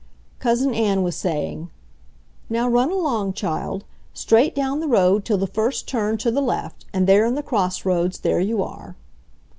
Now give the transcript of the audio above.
Cousin Ann was saying: "Now run along, child. Straight down the road till the first turn to the left, and there in the cross roads, there you are."